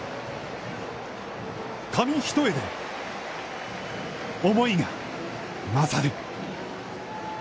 紙一重で、思いがまさる。